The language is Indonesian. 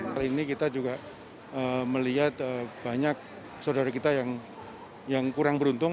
kali ini kita juga melihat banyak saudara kita yang kurang beruntung